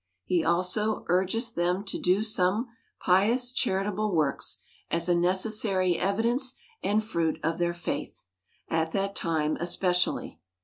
He also urgeth them to do some pious charitable works, as a necessary evidence and fruit of their faith, at that time especially.